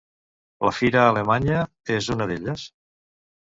La lira alemanya és una d'elles?